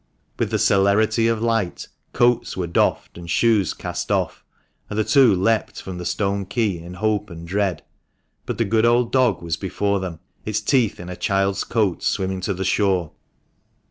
With the celerity of light, coats were doffed and shoes cast off, and the two leaped from the stone quay in hope and dread, but the good old dog was before them, its teeth in a child's coat, swimming to the shore.